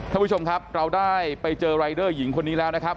ท่านผู้ชมครับเราได้ไปเจอรายเดอร์หญิงคนนี้แล้วนะครับ